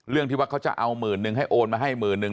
ที่ว่าเขาจะเอาหมื่นนึงให้โอนมาให้หมื่นนึง